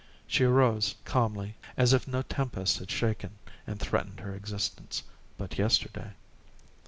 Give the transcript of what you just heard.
She arose, calmly, as if no tempest had shaken and threatened her existence but yesterday.